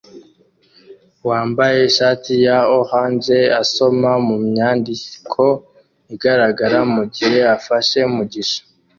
wambaye ishati ya orange asoma mumyandiko igaragara mugihe afashe mugisha